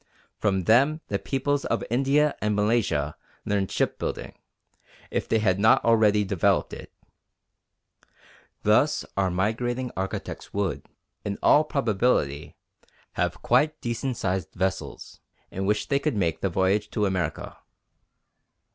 From them the peoples of India and Malaysia learnt shipbuilding, if they had not already developed it. Thus our migrating architects would, in all probability, have quite decent sized vessels in which they could make the voyage to America.